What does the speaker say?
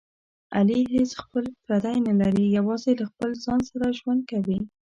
علي هېڅ خپل پردی نه لري، یوازې له خپل ځان سره ژوند کوي.